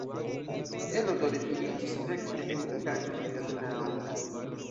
Elo do retiriĝis rekte en vilaĝon Linna-on.